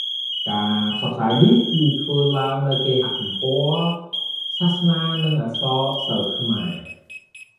ការផ្សព្វផ្សាយនេះ ធ្វើឡើងតាមរយៈគេហទំព័រ «សាសនានិងអក្សរសិល្ប៍ខ្មែរ»។